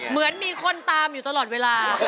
เหมือนมีคนตามอยู่ตลอดเวลา